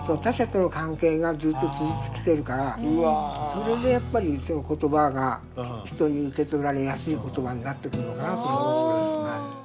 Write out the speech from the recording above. それでやっぱり言葉が人に受け取られやすい言葉になってくるのかなと。